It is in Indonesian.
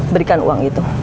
berikan uang itu